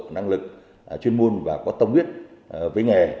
năng lực chuyên môn và có tâm huyết với nghề